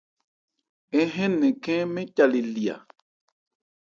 Ń hɛn nnɛn khɛ́n mɛ́n ca le li a.